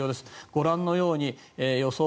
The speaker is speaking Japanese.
ご覧のように予想